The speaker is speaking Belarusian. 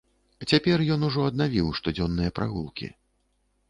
Цяпер ён ужо аднавіў штодзённыя прагулкі.